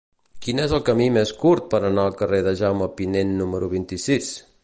Quin és el camí més curt per anar al carrer de Jaume Pinent número vint-i-sis?